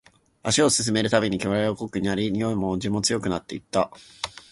足を進めるたびに、煙は濃くなり、においも味も強くなっていった